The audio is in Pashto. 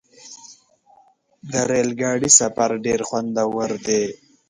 د ریل ګاډي سفر ډېر خوندور دی.